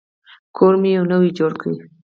کور مي نوی جوړ کی.